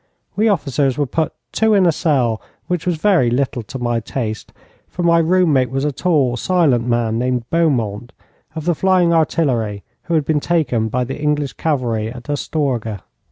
We officers were put two in a cell, which was very little to my taste, for my room mate was a tall, silent man named Beaumont, of the Flying Artillery, who had been taken by the English cavalry at Astorga.